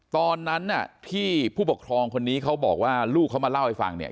ตอนนั้นน่ะที่ผู้ปกครองคนนี้เขาบอกว่าลูกเขามาเล่าให้ฟังเนี่ย